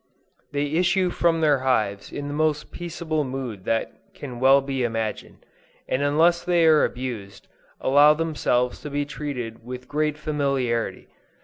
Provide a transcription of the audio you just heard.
They issue from their hives in the most peaceable mood that can well be imagined; and unless they are abused, allow themselves to be treated with great familiarity.